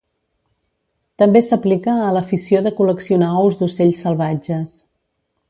També s'aplica a l'afició de col·leccionar ous d'ocells salvatges.